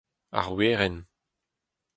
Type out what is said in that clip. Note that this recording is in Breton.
ar werenn